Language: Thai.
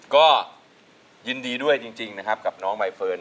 ก็ยินดีด้วยจริงนะครับกับน้องใบเฟิร์น